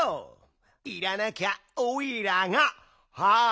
いらなきゃおいらがあむ。